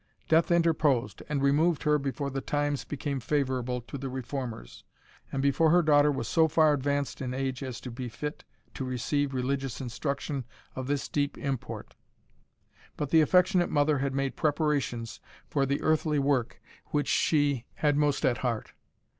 Death interposed, and removed her before the times became favourable to the reformers, and before her daughter was so far advanced in age as to be fit to receive religious instruction of this deep import. But the affectionate mother had made preparations for the earthly work which she had most at heart.